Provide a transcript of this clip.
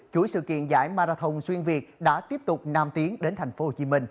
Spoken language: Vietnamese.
chuỗi sự kiện giải marathon xuyên việt đã tiếp tục nam tiến đến tp hcm